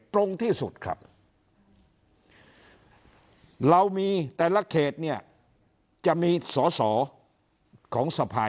ตรงที่สุดครับเรามีแต่ละเขตเนี่ยจะมีสอสอของสภาย